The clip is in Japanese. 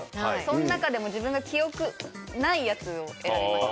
その中でも自分が記憶ないやつを選びました。